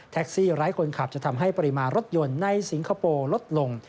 ซี่ไร้คนขับจะทำให้ปริมาณรถยนต์ในสิงคโปร์ลดลง